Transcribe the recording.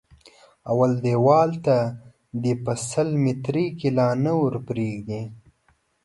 اول دېوال ته دې په سل ميتري کې لا نه ور پرېږدي.